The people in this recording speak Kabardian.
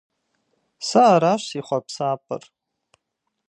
Сэ аращ си хъуапсапӀэр!